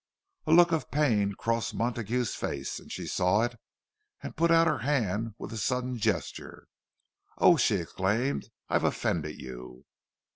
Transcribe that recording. A look of pain crossed Montague's face; and she saw it, and put out her hand with a sudden gesture. "Oh!" she exclaimed, "I've offended you!"